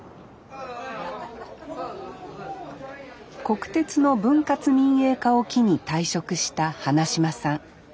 国鉄の分割民営化を機に退職した花島さん。